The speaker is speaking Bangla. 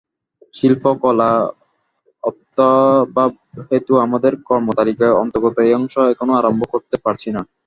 শিল্প ও কলা অর্থাভাবহেতু আমাদের কর্মতালিকার অন্তর্গত এই অংশ এখনও আরম্ভ করতে পারছি না।